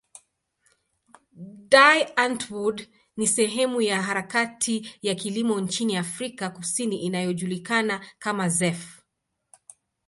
Die Antwoord ni sehemu ya harakati ya kilimo nchini Afrika Kusini inayojulikana kama zef.